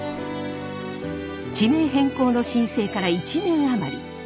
地名変更の申請から１年余り。